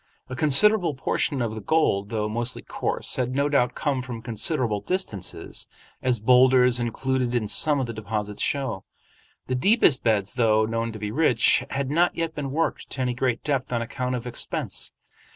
A considerable portion of the gold, though mostly coarse, had no doubt come from considerable distances, as boulders included in some of the deposits show. The deepest beds, though known to be rich, had not yet been worked to any great depth on account of expense.